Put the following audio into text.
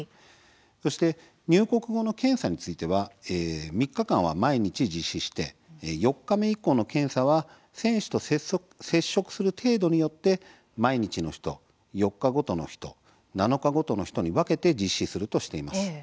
そして入国後の検査については３日間は毎日実施して４日目以降の検査は選手と接触する程度によって毎日の人、４日ごとの人７日ごとの人に分けて実施するとしています。